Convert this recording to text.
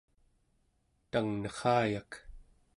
tangnerrayak